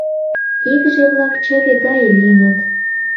Игыже-влак чыве гае лийыныт.